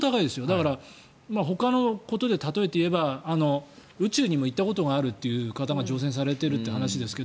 だから、ほかのことで例えて言えば宇宙にも行ったことがある方が乗船されているという話ですが。